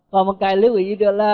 còn một cái lưu ý được là